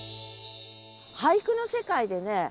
俳句の世界でね